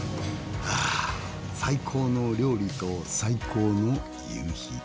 あ最高の料理と最高の夕日。